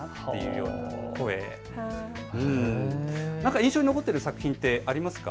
印象に残っている作品ってありますか。